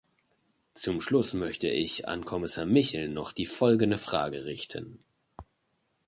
Zum Schluss möchte ich an Kommissar Michel noch die folgende Frage richten.